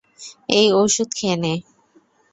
এই ঔষুধ খেয়ে নে।